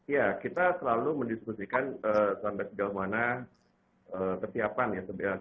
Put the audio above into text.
ya kita selalu mendiskusikan sampai sejauh mana kesiapan ya